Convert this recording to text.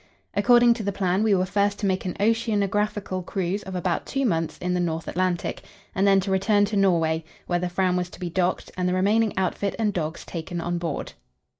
According to the plan we were first to make an oceanographical cruise of about two months in the North Atlantic, and then to return to Norway, where the Fram was to be docked and the remaining outfit and dogs taken on board.